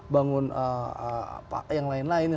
bangun yang lain lain